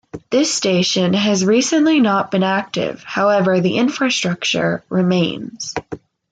This station has recently not been active however the infrastructure remains.